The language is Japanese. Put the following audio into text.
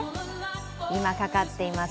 今、かかっています